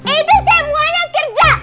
itu semuanya kerja